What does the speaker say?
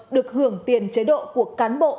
được hưởng tiền chế độ của cán bộ